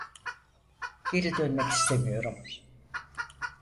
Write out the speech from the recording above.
Geri dönmek istemiyorum.